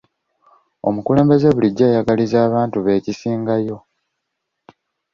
Omukulembeze bulijjo ayagaliza abantu be ekisingayo.